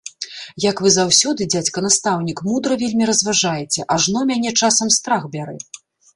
Як вы заўсёды, дзядзька настаўнік, мудра вельмі разважаеце, ажно мяне часам страх бярэ!